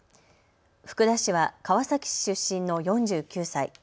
福田氏は川崎市出身の４９歳。